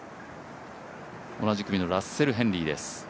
同じ組のラッセル・ヘンリーです。